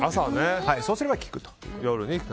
そうすれば効くと。